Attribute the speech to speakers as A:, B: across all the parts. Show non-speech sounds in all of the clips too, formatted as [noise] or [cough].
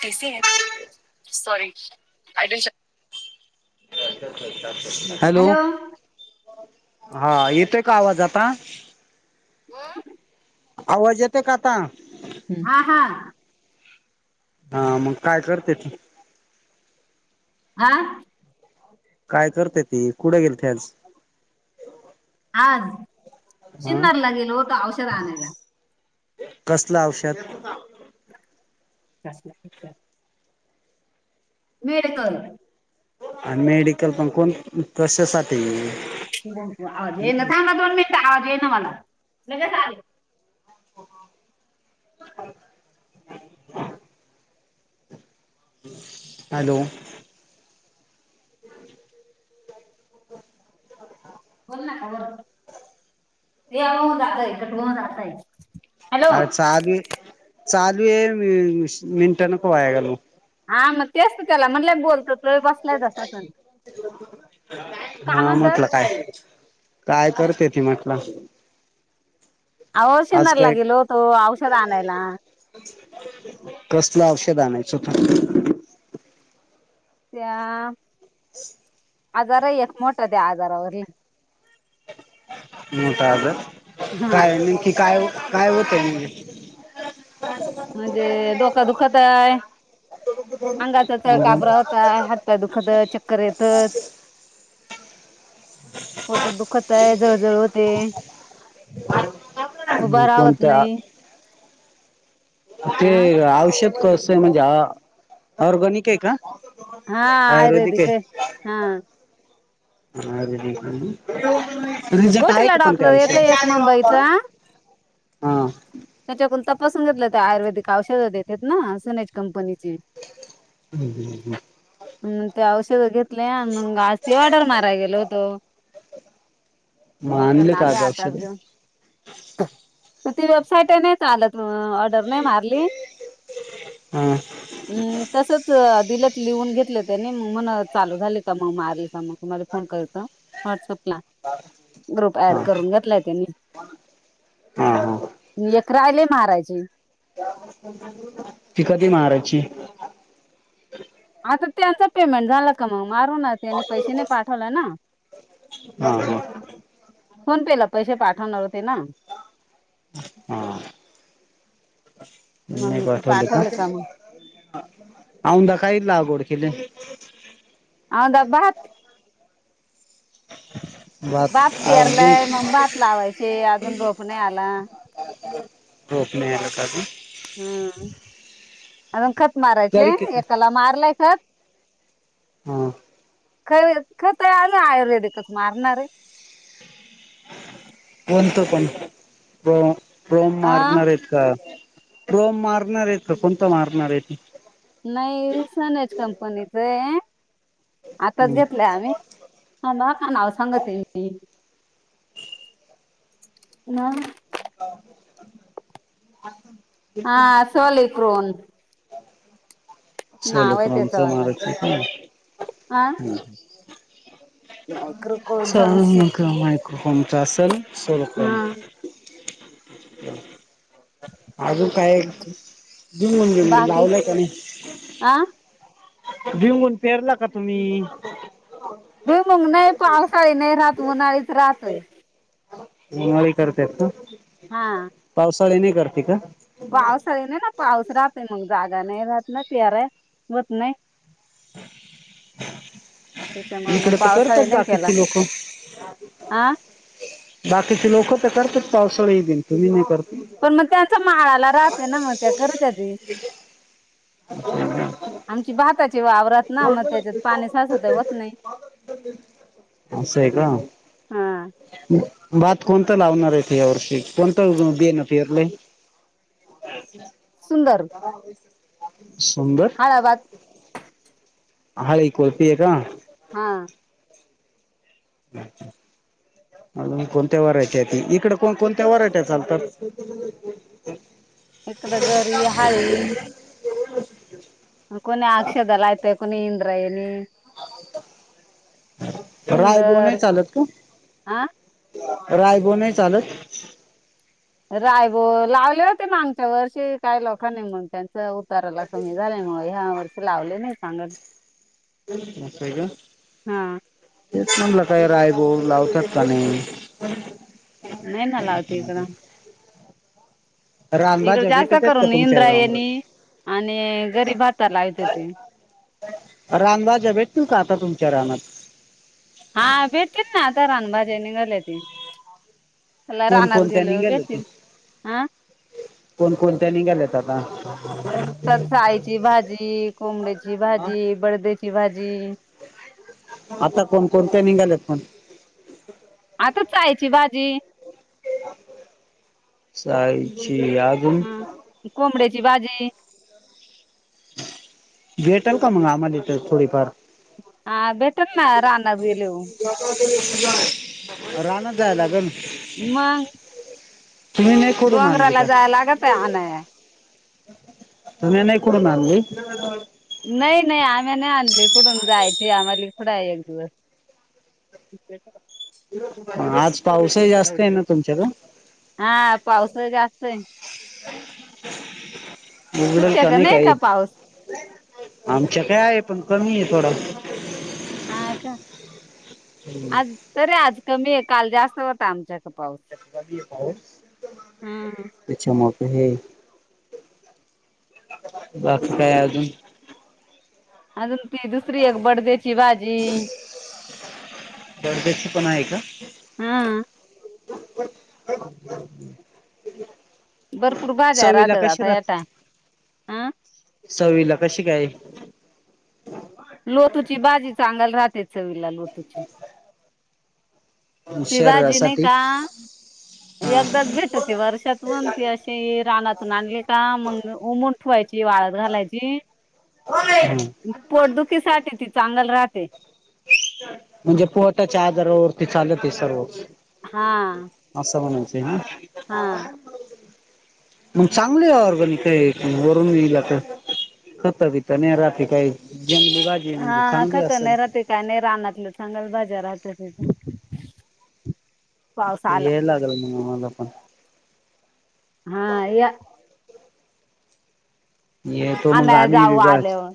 A: कैसी है? Sorry [unintelligible]
B: hello, हा येतोय का आवाज आता?
A: व.
B: आवाज येत का आता?
A: हा हा.
B: हा मग काय करते तू.
A: आ.
B: काय करते ती कुठे गेल ते आज?
A: आज
B: हा
A: शिन्नर ला गेल होत औषध आणायला.
B: कसला औषध?
A: [unintelligible] मेडिकल.
B: अन मेडिकल पण कोण कशासाठी?
A: आवाज येईना थांबा दोन मिनिटं आवाज येईना मला लगेच आले.
B: [inaudible] हॅलो.
A: बोल ना तव्हर, ते होऊन जातय कट होऊन जातय. हॅलो
B: अ चा [unintelligible] चालू आहे [unintelligible] मिनट नको वया घालवू.
A: हा मग तेच त्याला म्हटलं बोलतो. तो बसलाय तसाच
B: [unintelligible]
A: का
B: हा
A: म्हणतात
B: म्हटलं काय? काय करते ती म्हटल?
A: अहो सिन्नरला
B: काय
A: गेलो होतो ओ. औषध आणायला.
B: कसलं औषध आणायचं होत?
A: त्या
B: [inaudible]
A: आजार आहे मोठ त्या आजारावरले.
B: मोठा आजार,
A: हा
B: काय नेमकी काय- काय होतय मम्हणे?
A: म्हणजे डोकां दुखत आहे, [unintelligible] काय हातपाय दुखत, चक्कर येतत. पोट दुखत आहे, जळजळ होते,
B: मग
A: उभा राहवत
B: कोणत्या
A: नाही.
B: ते
A: अ
B: औषध कसं आहे म्हणजे अ ऑरगॅनिक आहे का?
A: हा. आयुर्वेदिक आहे. हा.
B: आयुर्वेदिक ना [unintelligible] रिझल्ट आहे
A: गोटीला
B: का पण त्या
A: डॉक्टर येते एक
B: औषधाचा?
A: मुंबईचा
B: हा.
A: त्याच्या [unintelligible] तपासून घेतलं ते आयुर्वेदिक औषध देत्यात ना सनेज कंपनीचे.
B: हम् हम हम्.
A: हम. ते औषध घेतले आण मग आज ती ऑर्डर मारायला गेलो होतो.
B: मग आणले
A: तिकडनं
B: का
A: आलोय
B: आज
A: आत्ताच
B: औषध
A: जाऊन. [unintelligible] [inaudible] नाही चालत म ऑर्डर नाही मारली.
B: हा.
A: हम्. तसच दिलेत लिहून घेतलं त्यानी, मग म्हण चालू झाले का मग मारी का मग. तुम्हाला फोन करत व्हॉट्सअपला ग्रुप ऍड
B: हा
A: करून घेतलाय त्यांनी.
B: हा हा
A: एक राहीले मारायचे.
B: ती कधी मारायची?
A: आता त्यांच पेमेंट झाला का मग? मारू ना. त्यांनी पैसे नाही पाठवला ना.
B: हा हा.
A: फोन पे ला पैसे पाठवणार होते ना.
B: हा. नाही
A: मग ते
B: पाठवले का?
A: मग
B: औदा काय लागवड केले?
A: औंदा भात. भात पेरलाय, मग भात लावायचे, अजून रोप नाही आला.
B: रोप नाई का आलं अजून?
A: हम्म. अजून खत
B: तरी
A: मारायचे,
B: किती
A: एकाला मारलय खत.
B: हा.
A: खर-खत् आणि आयुर्वेदिकच मारणार आहे.
B: कोणतं पण? प्रो -प्रोम
A: आ
B: मारणार आहे? का प्रोम मारणार आहेत का कोणत मारणार आहे?
A: नाही. रिसनच कंपनीच आहे, आताच
B: हम्म
A: घेतलं आम्ही. ह [unintelligible] का नाव सांगते मी. ना
B: [unintelligible]
A: हा. सोली प्रोन.
B: सोली
A: आहे
B: प्रोन
A: त्याचं
B: च
A: वाला
B: मारत आहे का? हा.
A: [unintelligible]
B: सन
A: सीट
B: मायक्रो फोननच असल, सोलोक्रोन
A: हा
B: अजून काय हम्म
A: बाकी
B: लावलाय का नाय?
A: आ
B: भिंयमूग पेरला का तुम्ही?
A: भुईमुंग नाही, पावसाळी नाही राहत उन्हाळीच राहतोय.
B: उन्हाळी करत्यात का?
A: हा
B: पावसाळी नाई करती का?
A: पावसाळी नाय ना पाऊस राहतय मग जागा नाय राहत ना पेराय होत नाय
B: [inaudible]
A: त्याच्यामुळे मग
B: इकड त
A: पावसाळी
B: करतात
A: नाही केला
B: बाकीची लोक
A: आ
B: बाकीचे लोक त करताच पावसाळी दिन तुम्ही नही करत
A: पण म त्याचा माळाला राहतय ना म त्या कर त्या दे आम ची भाताची वावरात ना म त्याच्यात पाणी साचत व्हत नई.
B: असंय का
A: हा
B: भात कोणत लावणारये तु या वर्षी कोणता बियाणं पेरलंय [unintelligible]
A: सुंदर
B: सुंदर
A: अयाबात
B: हा ही कॉफी ये का?
A: हा
B: [unintelligible] अजून कोणत्या व्हरायटी हाय ती इकड कोण कोणत्या व्हरायटया चालतात.
A: इकडं गरी हाळी
B: [unintelligible]
A: कोणी आक्षदा लावतय कोणी इंद्रायणी
B: रायबो नाय
A: सुंदर
B: चालत का?
A: आ
B: रायबो नाय चालत
A: रायबो लावले होते आगच्या वर्षी काय लोकांनी मंग त्यानं त उतारायला कमी झाल्यामुळं ह्या वर्षी लावले नाय सांगत
B: असं हाय का
A: हा
B: तेच म्हणलं काय रायबो लावतात का नाही. [unintelligible]
A: नाय ना लावती इकडं इकड
B: रानभाज्या भेटत
A: जास्त
B: आहेत का
A: करून
B: तुमच्या रानात
A: इंद्रायणी आणि घरी भाता लावत होती.
B: रानभाज्या भेटतील का आता तुमच्या रानात
A: हा भेटतील ना आता रानं भाज्या निघाल्याती त्याला रानात
B: कोणकोणत्या
A: गेलं भेटतील हं
B: कोण कोणत्या निघाल्यात आता
A: चाईची भाजी, कोंबड्याची भाजी, बदड्या ची भाजी
B: आता कोण कोणत्या निघाल्यात पण
A: आता चायची भाजी
B: चायची या
A: हा ती कोंबड्याची भाजी
B: भेटल का मंग आम्हाल इथं थोडीफार
A: हा भेट ना रानात गेल्याव
B: राणात जाय लागन
A: मग
B: तुम्ही नाही कडून आणली का?
A: पे आ आण आहे.
B: तुम्ही नाही कुडून आणली
A: नाही नाही आम्ही नाही आणली कुठून जायची आम्हाला कुठं आहे एक दिवस [inaudible]
B: आज पाऊस
A: हा पावस जास्त आहे. तुमच्याकडे नाही का पाऊस?
B: आमच्या कडे आहे पण कमी आहे थोडा
A: हा का आज तरी आज कमी आहे काल जास्त होता आमच्याकडे पाऊस. हम्म.
B: [inaudible] बाकी काय अजून?
A: अजून ती दुसरी एक बर्डेची भाजी
B: गडदची पण आहे का?
A: हा
B: [inaudible]
A: भरपूर बाज्या
B: चवीला
A: राहतात
B: कशी
A: या टाइम ला
B: सवीला कशी काय?
A: लोतूची बाजी चांगल राहते चवीला लोतूची ती भाजी नाही
B: शरीरासाठी
A: का
B: हा.
A: एकदाच भेटते वर्षातून ते असशी रानातून आणली का मग उमून ठेवायची वाळ घालायची पोटदुखीसाठी ती चांगल राहते.
B: म्हणजे पोटाच्या आजारावरती चालत आहे सर्व
A: हा
B: [inaudible]
A: हा
B: मग चांगले ऑरगॅनिक आहे वरून येईल तर होतीता नाही रा काय जंगली बाज
A: हा खतं नाही राहते काय नाही रानातलं चांगल भाज्या राहत तथ
B: येल लागलं मग मला पण
A: हा या.
B: ये तो मग
A: आणाय
B: आम्ही बी
A: जाऊ
B: बस
A: आल्यावर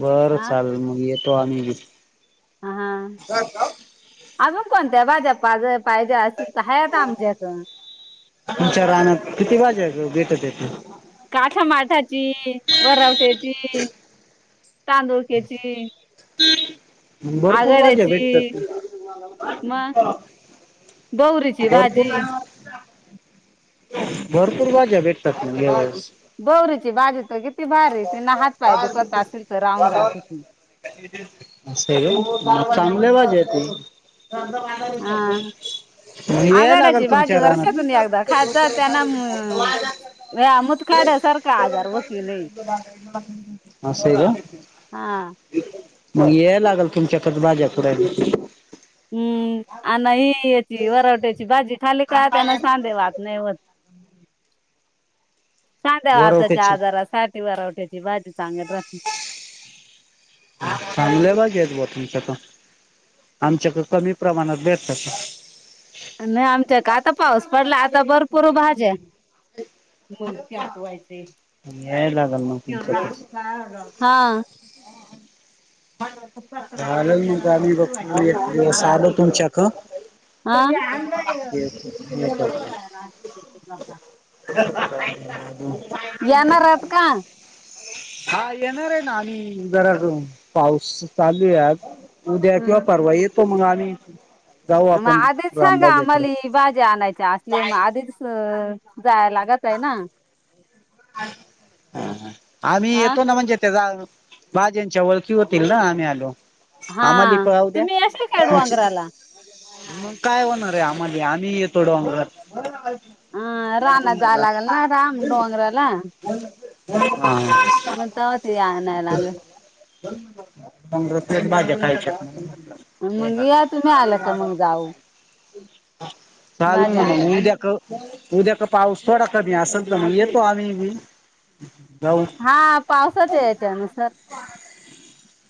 B: बरं
A: हा
B: चाल मग येतो आम्ही
A: हा अजून कोणत्या भाजपज पाहिजे असेल तर हाय आता आमच्या कडे
B: तुमच्या राहण्यात किती वाजे भेटत येते?
A: काठामाठाची वरवट्याची तांदुळक्याची
B: मग भरपूर भाज्या भेटतात
A: आघाड्याची
B: की
A: मग बौरीची
B: भरपूर
A: भाजी
B: भरपूर भाज्या भेटतात तुम्हीळेस
A: बौरीची बाजू तर कि तती भारी ती नहात पाय दुखत असेल तर राहून जात हो.
B: असे चांगले
A: हम्म
B: वाज येत [inaudible]
A: आघाडाची भाजी वर्षातून एकदा खादा त्यांना बया मुतखड्यासारखा आजार वती लई.
B: असं आहे का
A: आ!
B: मग वेळ लागल तुमच्याकडं भाज्या खुडायला.
A: हम्म आण ही याची वरावट्याची भाजी खाल का त्याना सांधे वात नाही व्हतं. सांध्या वाताच्या
B: वरवट्याची
A: आजारा साठी वरवठ्याची भाजी चांगल राहत.
B: [unintelligible] चांगल्या बागेत तर आमच्याकड कमी प्रमाणात भेटतात [unintelligible]
A: नाही आमच्या का आता पाऊस पडला आता भरपूर भाज्या.
B: याय लागल मग तुमच्याकडं
A: [unintelligible]
B: झालं मग गावी बघ एक दिवस आल तुमच्याक करतो
A: आ! येणार आहेत का?
B: [unintelligible] हा येणार आहे ना आम्ही जरा पाऊस चालू आहे आज. उद्या किंवा परवा येतो मंग आम्ही जाऊ
A: म
B: आपण
A: आधीच सांगा
B: रामबाजाकडे
A: आम्हाली भाजी आणायच्या असले म आधीच अ जाय लागत. आहे ना
B: ह आम्ही
A: आ
B: येतो ना म्हणजे भाज्यांच्या ओळखी होतील ना आम्ही आलो
A: हा
B: आम्हाली पळव उद्या
A: तुम्ही येशील का
B: तुमची.
A: डोंगराला?
B: मग काय होणार आहे आम्हाली आम्ही येतो डोंगरात?
A: अं रानात जायां लागल ना रान डोंगराला
B: हा!
A: म तवा ते आणाय लागत.
B: संगत एक भाज्या खायच्या.
A: मग या तुम्ही आलं का मग जाऊ भाज्या आणाय
B: [unintelligible] उद्या का पाऊस थोडा कमी असल तर मग येतो आम्ही बी जाऊ
A: हा पावसाच याच्यानुसार
B: [unintelligible]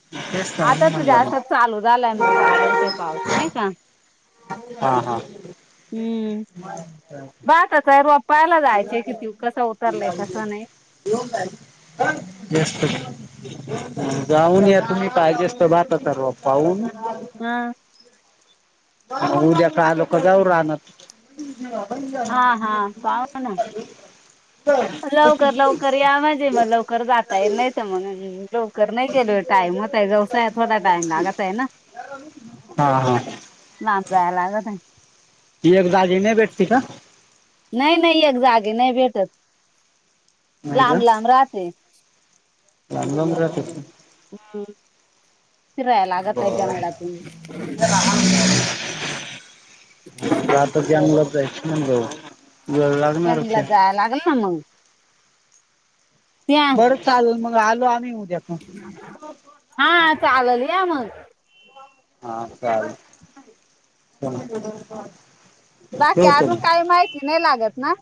B: तर
A: आता
B: म्हणून
A: तो
B: म्हणलं
A: जास्तच
B: मग
A: चालू झालाय मग काय करतोय पाऊस नाही का.
B: हा हा!
A: हम्म [unintelligible]
B: [unintelligible] जाऊन या तुम्ही पाहिजे तर भाताच रोप पाहून.
A: हा!
B: उद्या का लोक जाऊ रानात.
A: हा हा पाहू ना
B: [unintelligible]
A: लवकर लवकर या म्हंजे मग लवकर जाता ये नाही तर म्हण लो कर नाही गेलो टाईम होतय व्यवसाय थोडा टाईम लागत आहे ना.
B: हा हा
A: लांब जायला लागत हाय.
B: ती एक दाजी नाही भेटते का?
A: नाही नाही एक जागी नाही भेटत.
B: नाही का?
A: लांब लांब राहते
B: लांब राहतात.
A: हम्म फिराय लागत हाय
B: बर
A: जंगलातनी. [unintelligible]
B: त्यामुळं [unintelligible]
A: त्यानंला जाया लागल ना, मग. त्या
B: बरं चालल मग, आलो आम्ही उद्याक.
A: हा चालल, या मग.
B: हा चाल [unintelligible]
A: बाकी अजून काही, माहिती नही लागत ना?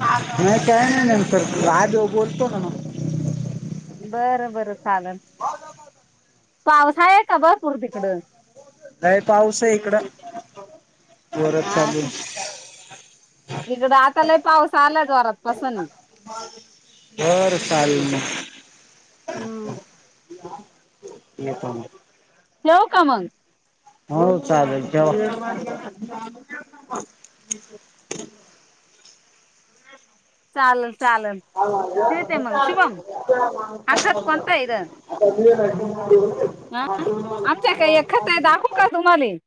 B: नही काय नही, नंतर आल्यावर बोलतो ना मग.
A: बरं बरं, चालल. पाऊस आहे का, बघ?
B: हाय पाऊस ये इकडं. जोरात
A: हा
B: चालू.
A: इकडं आता लई पाऊस आला, जोरात पासून.
B: बर, चालल म.
A: हम्.
B: ययेतो मी.
A: येऊ का मंग?
B: हो चालल ठेवा.
A: चालल चालल. ठेवते मग शुभम हा
B: [unintelligible]
A: खत कोणता आहे इथं
B: आ [unintelligible]
A: तुम्हाली.